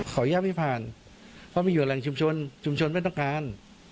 อนุญาตไม่ผ่านเพราะมีอยู่แหล่งชุมชนชุมชนไม่ต้องการ